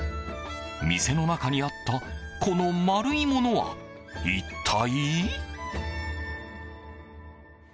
店の中にあったこの丸いものは一体？